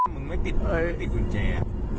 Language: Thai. มึงไม่ติดอะไรไม่ติดกุญแจ